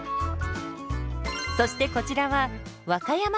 そしてこちらは和歌山県。